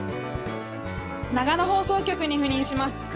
長野放送局に赴任します